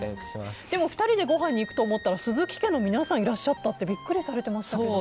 ２人でご飯に行くと思ったら鈴木家の皆さんがいらっしゃったってビックリされてましたが。